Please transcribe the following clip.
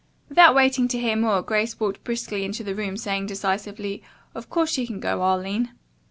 Without waiting to hear more, Grace walked briskly into the room, saying decisively, "Of course she can go, Arline."